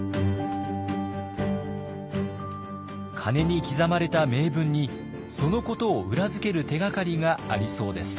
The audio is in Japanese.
鐘に刻まれた銘文にそのことを裏付ける手がかりがありそうです。